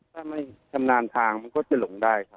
ถ้าไม่ชำนาญทางมันก็จะหลงได้ครับ